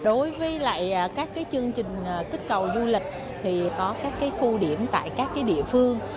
đối với các chương trình kích cầu du lịch thì có các khu điểm tại các địa phương